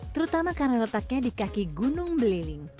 terutama karena letaknya di kaki gunung beliling